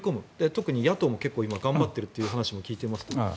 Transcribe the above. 特に野党も今頑張っているという話も聞いています。